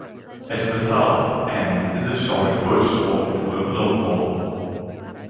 At the south end is a short bush walk to a blowhole.